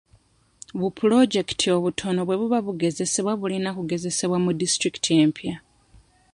Bu puloojekiti obutono bwe buba bugezesebwa bulina kugezesebwa mu disitulikiti empya.